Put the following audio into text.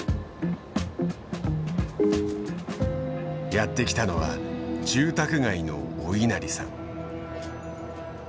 やって来たのは住宅街のおいなりさん。